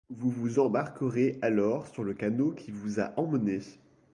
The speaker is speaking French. Vous vous embarquerez alors sur le canot qui vous a amenés.